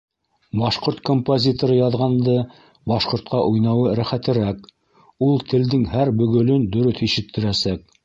Башҡорт композиторы яҙғанды башҡортҡа уйнауы рәхәтерәк, ул телдең һәр бөгөлөн дөрөҫ ишеттерәсәк.